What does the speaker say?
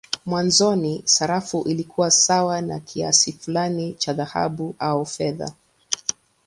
Mwanzoni sarafu ilikuwa sawa na kiasi fulani cha dhahabu au fedha.